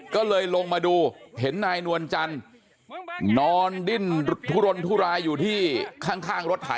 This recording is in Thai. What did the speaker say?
ก็เลยลงมาดูเห็นนายนวลจันทร์นอนดิ้นทุรนทุรายอยู่ที่ข้างรถไถ